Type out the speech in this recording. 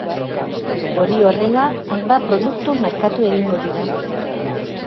Hori horrela, hainbat produktu merkatu egingo dira.